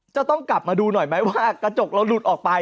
จะต้องกลับมาดูหน่อยไหมว่ากระจกเราหลุดออกไป